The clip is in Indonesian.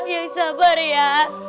yang sabar ya